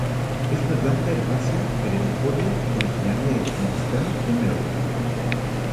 Es una planta herbácea perennifolia originaria de Turkmenistán en Mary.